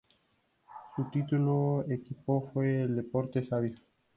Su último equipo fue el Deportes Savio.